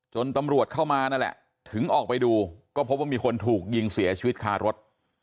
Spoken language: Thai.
ตำรวจเข้ามานั่นแหละถึงออกไปดูก็พบว่ามีคนถูกยิงเสียชีวิตคารถ